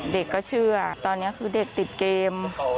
เด็กก็เชื่อตอนนี้คือเด็กติดเกม